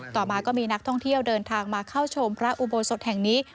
ต่อมาก็มีนักท่องเที่ยวเดินทางมาเข้าชมพระอุโบสถแห่งนี้